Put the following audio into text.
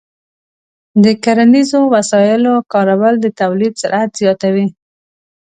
د کرنیزو وسایلو کارول د تولید سرعت زیاتوي.